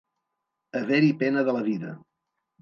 Haver-hi pena de la vida.